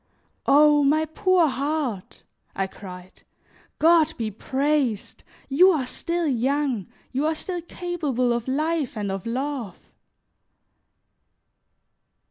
"Oh! my poor heart!" I cried. "God be praised, you are still young, you are still capable of life and of love!"